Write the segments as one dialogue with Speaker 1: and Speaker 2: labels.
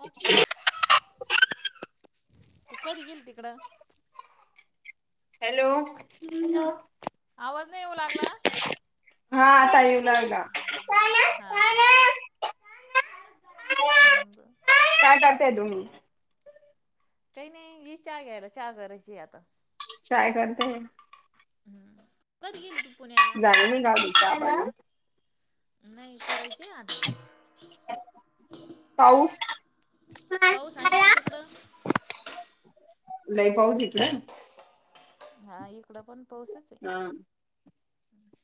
Speaker 1: हो तू कधी गेली तिकडं?
Speaker 2: हॅलो हॅलो
Speaker 1: आवाज नाही येऊ लागला.
Speaker 2: हा आता येऊ लागला.
Speaker 1: हा का. अ ब.
Speaker 2: काय करतेय तुम्ही?
Speaker 1: काही नाही ये चहा घ्यायला चहा करायची आता.
Speaker 2: चाय करतेय.
Speaker 1: हम् कधी गेली तु पुण्याला?
Speaker 2: झालं नाही गावी चहा पाणी
Speaker 1: नाही करायचे आत-
Speaker 2: पाऊस
Speaker 1: पाऊस आहे ना तिकडं.
Speaker 2: लय पाऊसे इकडं.
Speaker 1: हा इकड पण पाऊसच ये
Speaker 2: हा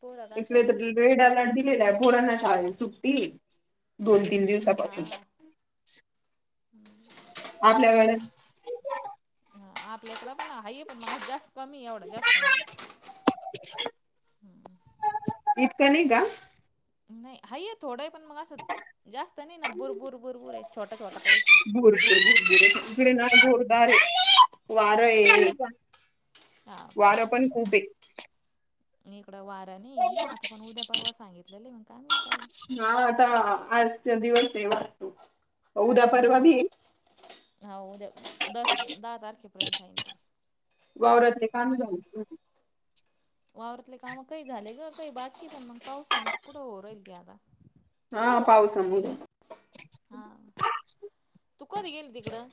Speaker 1: पोर
Speaker 2: इकडे त दिल डा लादी इड पोरांना शाळेला सुट्टीये दोन तीन दिवसापासून
Speaker 1: हम्म
Speaker 2: आपल्याकडन
Speaker 1: हा आपल्याकड पण हाय ये पण म आज जास् कमी ये एवढं जास्त नाही.
Speaker 2: इतका नही का?
Speaker 1: नही हाये थोडं पण मंग असं जास्त नाही ना बुरबुर बुरबुर ये छोटा छोटा पाऊस ये.
Speaker 2: इकड ना जोरदार ये वारां ये
Speaker 1: हा हा
Speaker 2: पण खूप ये.
Speaker 1: नय इकडं वारा नये आता पण उद्या परवा सांगितलेलं य मंग काय माहीत काय ये
Speaker 2: हा आता आजच्या दिवस आहे वातू
Speaker 1: हां हा उद्या दस दहा तारखेपर्यंत हाय नं तो
Speaker 2: वावरातले काम झालेत माझी
Speaker 1: वावरातले काम कही झाले ग कही बाकी पण मंग पावसामुळे कुठं होऊ राहिले ती आता
Speaker 2: हा पाऊसामुले.
Speaker 1: हां तू कधी गेली तिकडं?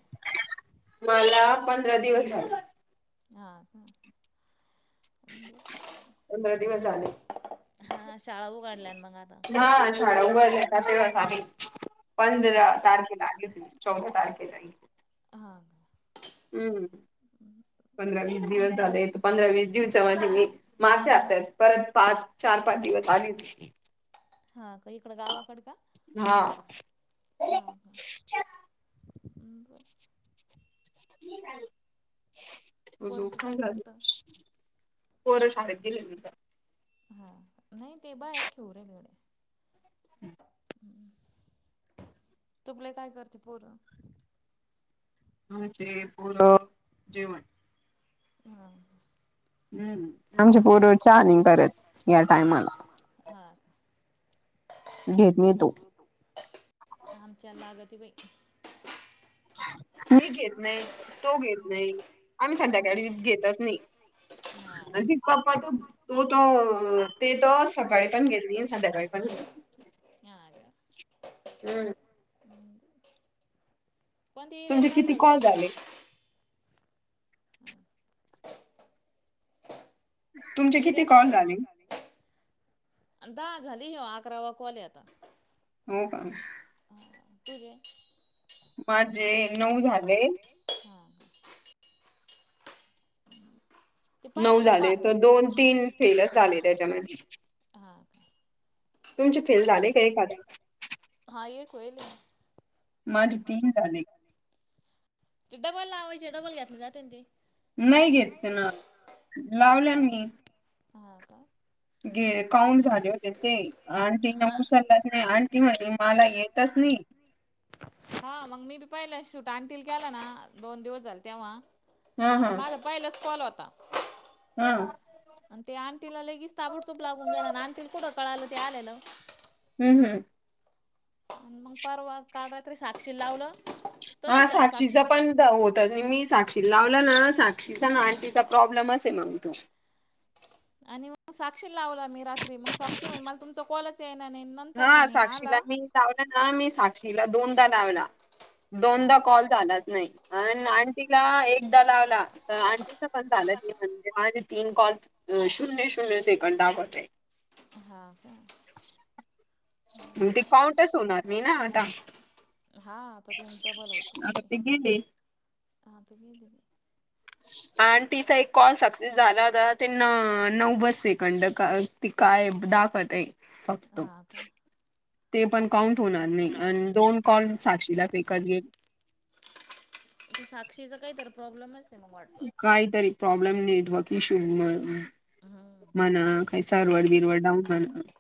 Speaker 2: मला पंधरा दिवस झाले.
Speaker 1: हा का अ ब
Speaker 2: पंधरा दिवस झाले.
Speaker 1: हा शाळा उघडल्यान मंग आता
Speaker 2: हा शाळा उघडल्या तेव्हा चं आले
Speaker 1: हा
Speaker 2: पंधरा तारखेला आली होती. चौदा तारीखेला येईल.
Speaker 1: हा कां
Speaker 2: हम्म पंधरा वीस दिवस झालेय पंधरा वीस दिवसामध्ये मी माझ्या हप्त्यात परत पाच चार पाच दिवस आली होती.
Speaker 1: हां का इकड गावा कड का?
Speaker 2: हा
Speaker 1: हां का बर
Speaker 2: तीच आली
Speaker 1: पोरगं
Speaker 2: झोप पण
Speaker 1: काय करतं
Speaker 2: झाली पोर शाळेत गेली नं दिवसा
Speaker 1: हा नाय ते बाहेर खेळू राहिले गड्या हम्म तूपले काय करते पोरं?
Speaker 2: आंमचे पोर जेवण
Speaker 1: हा कां
Speaker 2: हम्म आमचे पोर चा नी करत या टायमाला
Speaker 1: हा
Speaker 2: घेत नाही तो.
Speaker 1: दुध घेतो आमच्याला लागती बय
Speaker 2: तरी घेत नाहीत तो घेत नाही आम्ही संध्याकाळी घेतच नई
Speaker 1: हा
Speaker 2: पप्पा तू तो त ते त सकाळी पण घेत नाही नी संध्याकाळी [unintelligible]
Speaker 1: हा कां
Speaker 2: हम्म
Speaker 1: कोणती ती
Speaker 2: तुमचे किती
Speaker 1: खाता गं
Speaker 2: कॉल
Speaker 1: तूम्ही
Speaker 2: झाले?
Speaker 1: हा
Speaker 2: तुमचे किती
Speaker 1: ईऱ्यात कोण
Speaker 2: कॉल झाले?
Speaker 1: अ दहा झाली ह्यो अकरावा कॉल ये आता.
Speaker 2: हो का
Speaker 1: ह तुझे माझे नऊ झाले हा ते पहिल्यांदा पा दोन तीन फेलच झाले त्याच्यामध्ये. हा
Speaker 2: तुमचे फेल
Speaker 1: काय
Speaker 2: झाले का एखादे?
Speaker 1: हा एकईल.
Speaker 2: माझे तीन झाले.
Speaker 1: ते डबल लावायचे डबल घेतले जा त्यांचे.
Speaker 2: नाही घेतते ना लावल्या मी.
Speaker 1: हा का.
Speaker 2: गे काउंट झाले होते ते. आंटी न
Speaker 1: हा
Speaker 2: उसललाच नाही आंटी म्हणे मला येतच नाही.
Speaker 1: हा मग मी बी पाहिलं शूट आणतील केला ना दोन दिवस झाले तेव्हा.
Speaker 2: हा हा
Speaker 1: माझ पहिलाच कॉल होता.
Speaker 2: हा.
Speaker 1: आणि ते आ आणटीला लगेच ताबुडतुब लागून गेला आणटीला कुठं कळालं ते आल्यालं.
Speaker 2: हम् हम्.
Speaker 1: मग परवा काल रात्री साक्षी लावलं.
Speaker 2: हा
Speaker 1: तसंच झालं साक्षी
Speaker 2: साक्षीचा पण होत मी साक्षी लावलं ना साक्षीचा ना आणि तिचा प्रॉब्लेम अस आहे मग तो.
Speaker 1: आणि मग साक्षी लावला मी रात्री मग साक्षी म्हण मला तुमचा कॉलच ये ना नाही नंतर
Speaker 2: हा
Speaker 1: म्हणे
Speaker 2: साक्षीला
Speaker 1: आला
Speaker 2: मी लावला ना मी साक्षीला दोनदा लावला
Speaker 1: हा
Speaker 2: दोनदा कॉल झालाच नाही. अ आंटीला एकदा लावला तर आंटीच पण झालं ते म्हणजे ह तीन कॉल. अ शून्य शून्य सेकंद दाबायचाय.
Speaker 1: हा का.
Speaker 2: मी ते काउंटच होणार मी ना आता.
Speaker 1: हा आता ते बल होत नाही
Speaker 2: आता
Speaker 1: ते
Speaker 2: गेले
Speaker 1: हा त गेली मी.
Speaker 2: आणि तिचा एक कॉल सक्सेस झाला होता ते न नऊवद सेकंड का. ती काय दाखत आहे फक्त
Speaker 1: हा का
Speaker 2: ते पण काउंट होणार. नाही आणि दोन कॉल साक्षीला फेकत घेल.
Speaker 1: साक्षीचा काही तर प्रॉब्लेमच आहे मग वाटतं
Speaker 2: काहीतरी प्रॉब्लेम नेटवर्क इशू
Speaker 1: हम्म
Speaker 2: म्हणा काही सारवड बिरवडडऊ [unintelligible]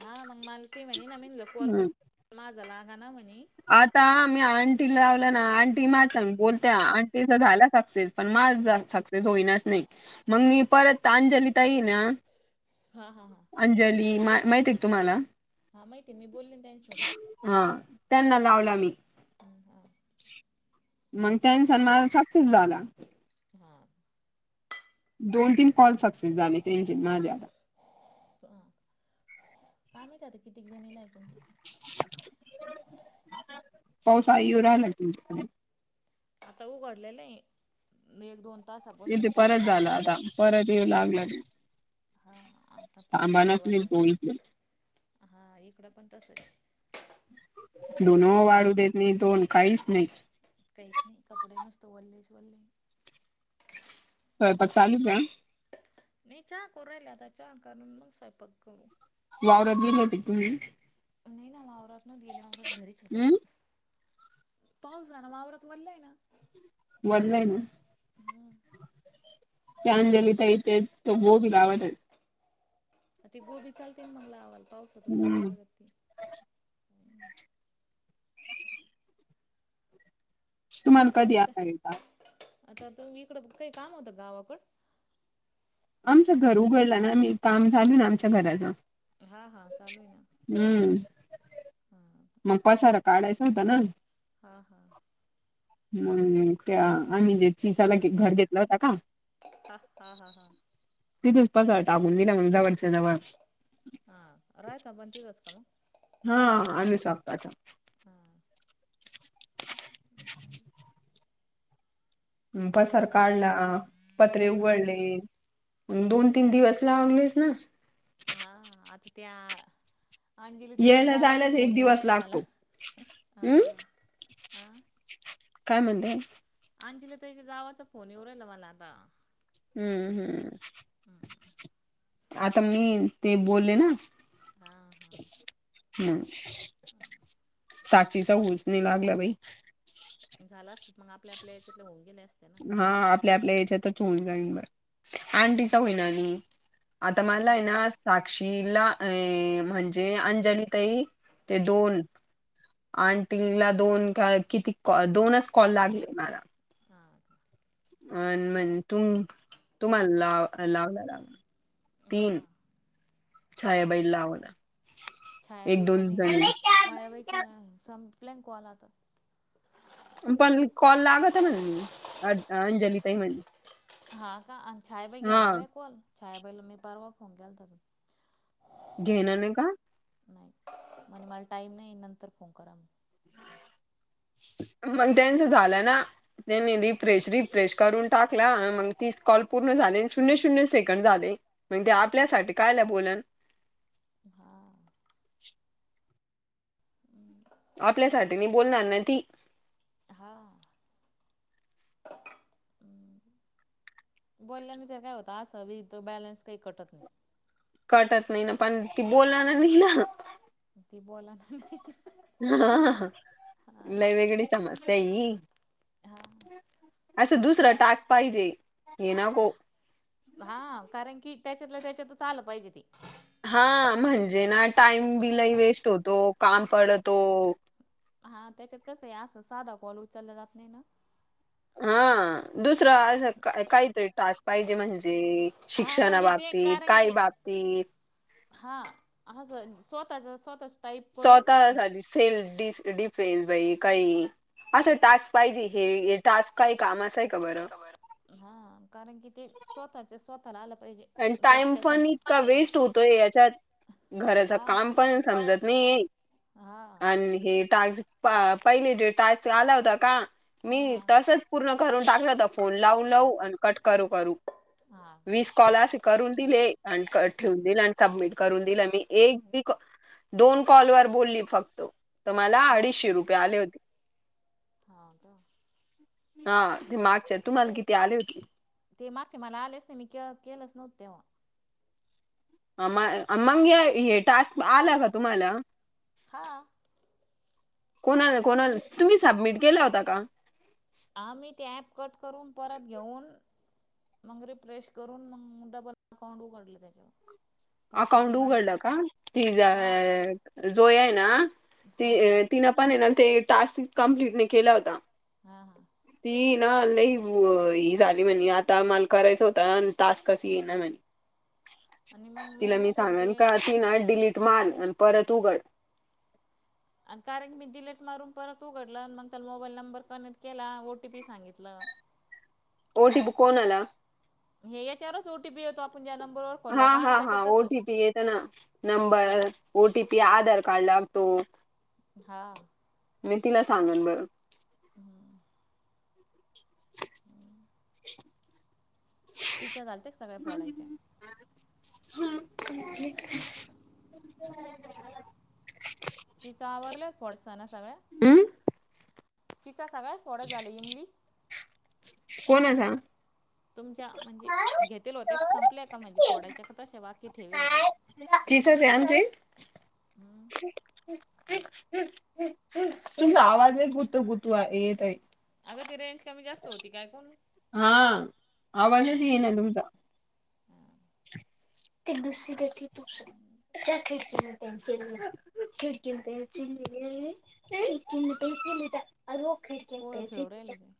Speaker 1: हा मग मालकी म्हणे न मन ल कॉल कर
Speaker 2: ह
Speaker 1: माझालागा ना म्हणे.
Speaker 2: आता मी आंटी ला लावलं ना आंटी मा सांग बोलत्या आंटीचा झाला सक्सेस. पण माझा सक्सेस होईनाच नाही मग मी परत अंजलीताई ना.
Speaker 1: हा हा हा.
Speaker 2: अंजली मा माहित आहे तुम्हाला.
Speaker 1: हां माहितीय मी बोलले त्यांसोबत.
Speaker 2: हा त्यांना लावला मी.
Speaker 1: हा.
Speaker 2: मग त्यान सन मला सक्सेस झाला.
Speaker 1: हा.
Speaker 2: दोन तीन कॉल सक्सेस झाले त्यांचे आणि माझ्या
Speaker 1: आम्ही नाही तर किती. [unintelligible]
Speaker 2: पाऊस आ येऊ राहिला का तुमच्या कडे.
Speaker 1: आता उघडलेलं एक दोन
Speaker 2: इथे
Speaker 1: तासापासून पाऊस
Speaker 2: परत
Speaker 1: नाही पण
Speaker 2: झाला
Speaker 1: आभाळ
Speaker 2: आता परत येऊ
Speaker 1: आता.
Speaker 2: लागला तो
Speaker 1: हा आता परत
Speaker 2: थांबानाच
Speaker 1: सुरुवात
Speaker 2: नाही
Speaker 1: होय
Speaker 2: तो इथे
Speaker 1: हा इकडं पण तसच.
Speaker 2: दोनो वाढू देत नाही दोन काहीच नाही.
Speaker 1: कैस नाही कपडन असतो ओलेच वले.
Speaker 2: स्वयंपाक चालू का.
Speaker 1: नाही चा करू राहिला आता चा करून स्वयंपक करू.
Speaker 2: वावरात गेले होते का तुम्ही?
Speaker 1: नाही ना, वावरात नव्हते गेले. आवरत घरीच होते,
Speaker 2: हम्म
Speaker 1: आज. पाऊस झालंय. वावरात वल्लय ना.
Speaker 2: वल्लय ना.
Speaker 1: हम.
Speaker 2: ते आणलेली [unintelligible]
Speaker 1: ती गोबी चालते न मग लावाल. पावसातच, लावां
Speaker 2: हम्म
Speaker 1: लागत ती.
Speaker 2: तुम्हाला
Speaker 1: इकडं
Speaker 2: कधी
Speaker 1: आता का.
Speaker 2: येता
Speaker 1: आता तू इकडं, काही काम होतं का, गावाकड?
Speaker 2: आमचं घर उघडला ना आम्ही. काम झाल ना आमच्या घराच.
Speaker 1: हा, हा. चालूय ना.
Speaker 2: हम्म.
Speaker 1: हां.
Speaker 2: मग, पसारा काढायचा व्हता ना.
Speaker 1: हां हां
Speaker 2: मग, त्या आम्ही जे चिसाला, घर घेतला होता का?
Speaker 1: हां हां हां हां
Speaker 2: तिथूनच पसारा टाकून दिला. मग जवळच्या- जवळ.
Speaker 1: हा. राहता पण, तिथेच का मग?
Speaker 2: हा. आनुसआप्पाचा.
Speaker 1: हा. [unintelligible]
Speaker 2: हम्, पसार काढला. पत्रे
Speaker 1: हां
Speaker 2: उघडले.
Speaker 1: का
Speaker 2: दोन - तीन दिवस लावलेच ना.
Speaker 1: हा. आता त्या अंजली ताईच्या,
Speaker 2: यायला
Speaker 1: जावाचा
Speaker 2: जायलाच एक
Speaker 1: फोन येऊ
Speaker 2: दिवस
Speaker 1: राहिला मला.
Speaker 2: लागतो हम्
Speaker 1: हा. ह.
Speaker 2: काय म्हणतेय?
Speaker 1: अंजली ताईच्या, जावाचा फोन येऊ राहिला मला, आता.
Speaker 2: हम्म, हम्म.
Speaker 1: हम्म
Speaker 2: आता मी, ते बोलले ना.
Speaker 1: हां, हां.
Speaker 2: हम्. साक्षीचा, ऊस नाही लागलं बाई.
Speaker 1: झाला असत त मग. आपल्या-आपल्या याच्यातल, होऊन गेल्या असत्या.
Speaker 2: हा, आपल्या -आपल्या याच्यातच होऊन जाईन बर. आंटीचा
Speaker 1: हां
Speaker 2: होईन अजून. आता मलाय
Speaker 1: हां
Speaker 2: ना, साक्षीला अ म्हणजे अंजली ताई. ते दोन आंटीला दोन, का किती कॉ दोनच कॉल, लागले मला.
Speaker 1: हा, हा.
Speaker 2: अन म्हन तुम- तुमाला, लावला - लावला. तीन
Speaker 1: हां
Speaker 2: छायाबाईला लावला. एक
Speaker 1: छायाबाईचां
Speaker 2: दोन
Speaker 1: नी.
Speaker 2: जणी
Speaker 1: छायाबाईच संपले ना, कॉल आता.
Speaker 2: पण कॉल लागतं म्हण. अन् -अंजलीताई म्हणली.
Speaker 1: हा, का. आन छायाबाई
Speaker 2: हा
Speaker 1: घ्यायना होय कॉल. छयाबाईला मी परवा फोन केलता. तून
Speaker 2: घ्यायना, नाही का?
Speaker 1: नाही. म्हणे, मला टाईम नाही. नंतर फोन करा.
Speaker 2: मग, त्यांचं झालं ना? त्यांनी रिफ्रेश- रिफ्रेश करून टाकला. मग तीच कॉल पूर्ण झाले. शून्य - शून्य सेकंड झाले. मग ती, आपल्यासाठी कायला बोलन.
Speaker 1: हा. हं.
Speaker 2: आपल्यासाठी नि बोलणार न ती.
Speaker 1: हा. हं. बोलल्याने तर काय होत? असं बी इथं, बॅलन्स काही कटत नाही.
Speaker 2: कटत नाही ना पण ती बोला ना नाही ना.
Speaker 1: ते बोला ना नाही.
Speaker 2: [unintelligible] लयवेगडी समस्या आहे हि.
Speaker 1: हा.
Speaker 2: असं दुसरं टाक पाहिजे ये नाको.
Speaker 1: हा कारण की त्याच्यातल्या त्याच्यात आलं पाहिजे ते.
Speaker 2: हा म्हणजे ना टाईम बि लय वेस्ट होतो काम पडतो.
Speaker 1: हा त्याच्यात कसं आहे असं साधा कॉल उचलला जात नाही ना.
Speaker 2: हा दुसरं अस काहीतरी टास पाहिजे म्हणजे
Speaker 1: हा म्हणजे ते
Speaker 2: शिक्षणाबाबतीत काही बाबतीत.
Speaker 1: हां ह स स्वतःच, स्वतः
Speaker 2: स्वतः साठी सेल डिस डिफेस बाई काही. असं टास्क पाहिजे हे हे टास्क काही कामाचा आहे का बरं.
Speaker 1: हा कारण कि ते स्वतःच्या स्वतःला आलं पाहिजे.
Speaker 2: आणि
Speaker 1: त्या
Speaker 2: टाइम
Speaker 1: त्याच्या
Speaker 2: पण इतका वेस्ट होतोय याच्यात. घराच
Speaker 1: हा
Speaker 2: काम पण समजत नाही
Speaker 1: हा
Speaker 2: आणि हे टाज प पहिले टास आला होता का?
Speaker 1: हा
Speaker 2: मी
Speaker 1: हा
Speaker 2: तसच पूर्ण करून टाकला तर फोन लावू लावू अन कट करू करू.
Speaker 1: हा हा.
Speaker 2: वीस कॉल असे करून दिले आणि क ठेवून दिल आणि सबमिट करून दिलं मी एक बी दोन कॉल वर बोलली फक्त, तर मला
Speaker 1: मग
Speaker 2: अडीचशे रुपये आले होते.
Speaker 1: हा का?
Speaker 2: हा ते मागच्या तुम्हाला किती आले होते.
Speaker 1: ते मागचे मला आलेच नाही मी के केलंच नव्हत तेव्हा.
Speaker 2: [unintelligible] मग हे टास्क आला का तुम्हाला.
Speaker 1: हा.
Speaker 2: कोणाला कोणाला, तुम्ही सबमिट केलं होता का?
Speaker 1: आम्ही ते ॲप कट करून परत घेऊन मग रिंफेश करून मग डबल अकाउंट उघडला त्याच्यावर. ओ टी पी
Speaker 2: अकाउंट उघडलं
Speaker 1: मागितली
Speaker 2: का? ती
Speaker 1: हा
Speaker 2: जोया आहे ना ती
Speaker 1: हा हा
Speaker 2: तिन पण आहे ना ते टास्क कंप्लीट नाही केला होता.
Speaker 1: हा हा.
Speaker 2: ती न लई ही झाली म्हणे आता मल करायचा होता अन टास्कच ये ना म्हणे.
Speaker 1: आणि मग
Speaker 2: तिला मी
Speaker 1: माहिती आहे ते
Speaker 2: सांगन का? ती न डिलीट मार आणि परत उघड.
Speaker 1: आणि कारण मी डिलीट मारून परत उघडलं मग त्याला मोबाईल नंबर कनेक्ट केला ओ टी पी सांगितलं.
Speaker 2: ओ टी पी कोणाला?
Speaker 1: हे याच्यावरच ओ टी पी येतो आपण ज्या नंबरवर
Speaker 2: हा
Speaker 1: खोललं का
Speaker 2: हा
Speaker 1: आणि
Speaker 2: हा ओ
Speaker 1: त्याच्यातच
Speaker 2: टी पी येत ना
Speaker 1: अन
Speaker 2: number. O T P Aadhaar card लागतो.
Speaker 1: हा.
Speaker 2: मी तिला सांगन बर.
Speaker 1: हम्म. चिच्या झालते सगळ्या फोडायच्या
Speaker 2: [unintelligible] [unintelligible]
Speaker 1: तिचा आवरलं [unintelligible] साना सगळ.
Speaker 2: हम्
Speaker 1: चिचा सगळ [unintelligible] झालं इमली.
Speaker 2: कोणाचा.
Speaker 1: तुमच्या म्हणजे घेतेल हो त्या संपल्या का म्हणजे फोडाच्या का तशा बाकी ठेवेली की.
Speaker 2: तीसच आहे आमचे. तुम आवाजे कुत कुतवा येेतई.
Speaker 1: अगं ती रेंज कमी जास्त होती. काय कोण
Speaker 2: हा, आवाजच येई ना तुमचा. [unintelligible] [unintelligible] [unintelligible]
Speaker 1: पोर खेळू राहिले काय?